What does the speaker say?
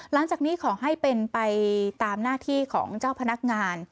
หลังจากนี้ขอให้เป็นไปตามหน้าที่ของเจ้าพนักงาน